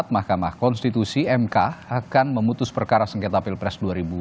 mahkamah konstitusi akan memutus perkara sengketa pilpres dua ribu dua puluh empat